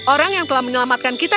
orang yang telah menyelamatkan kita